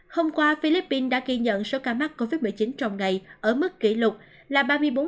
hôm qua philippines đã ghi nhận số ca mắc covid một mươi chín trong ngày ở mức kỷ lục là ba mươi bốn hai mươi bốn